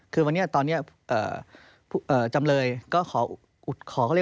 คือวันนี้ตอนนี้จำเลยก็ขออุทธรณ์